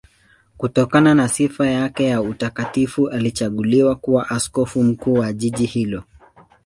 Kutokana na sifa yake ya utakatifu alichaguliwa kuwa askofu mkuu wa jiji hilo.